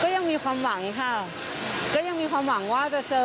ยังมีความหวังค่ะก็ยังมีความหวังว่าจะเจอ